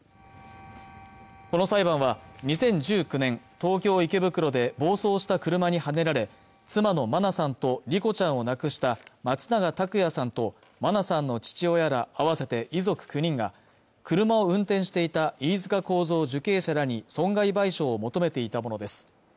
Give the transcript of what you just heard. この裁判は２０１９年東京池袋で暴走した車にはねられ妻の真菜さんと莉子ちゃんを亡くした松永拓也さんと真菜さんの父親ら合わせて遺族９人が車を運転していた飯塚幸三受刑者らに損害賠償を求めていたものです